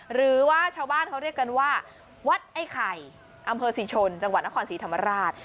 หรือว่าชาวบ้านเขาเรียกกันว่าวัดไอ้ไข่อำเภอศรีชนจังหวัดนครศรีธรรมราช